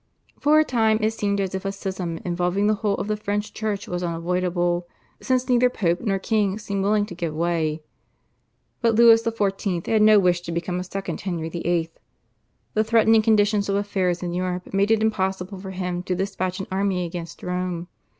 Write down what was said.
For a time it seemed as if a schism involving the whole of the French Church was unavoidable, since neither Pope nor king seemed willing to give way. But Louis XIV. had no wish to become a second Henry VIII. The threatening condition of affairs in Europe made it impossible for him to despatch an army against Rome.